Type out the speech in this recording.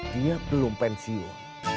dia belum pensiun